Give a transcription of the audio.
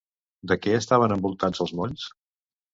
De què estaven envoltats els molls?